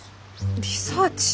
リサーチ？